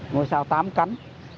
ngôi sao tám cắn